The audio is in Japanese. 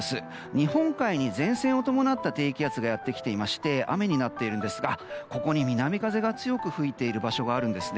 日本海に前線を伴った低気圧がやってきていまして雨になっているんですがここに南風が強く吹いている場所があるんですね。